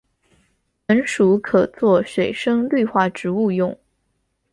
本属可做水生绿化植物用。